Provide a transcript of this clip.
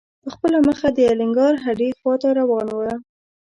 په خپله مخه د الینګار هډې خواته روان و.